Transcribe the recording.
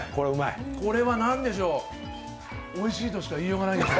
これは、何でしょう、おいしいとしか言いようがない。